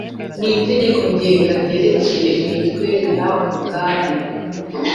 n Itegeko Ngenga ryerekeye imitwe ya umwami